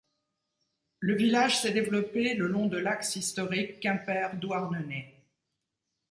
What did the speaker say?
Le village s'est développé le long de l'axe historique Quimper-Douarnenez.